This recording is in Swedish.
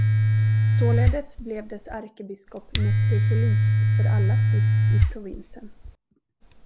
Således blev dess ärkebiskop metropolit för alla stift i provinsen.